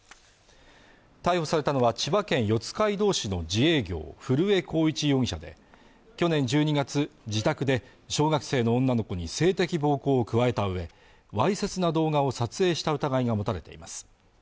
逮捕されたのは千葉県四街道市の自営業古江幸一容疑者で去年１２月自宅で小学生の女の子に性的暴行を加えたうえわいせつな動画を撮影した疑いが持たれています